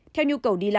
theo nhu cầu đi lại